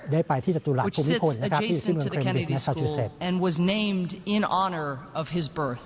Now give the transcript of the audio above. ได้ไปที่จตุลักษณ์ภูมิพลที่อยู่ขึ้นกับเกมบริจน์และทราชิเซ็ต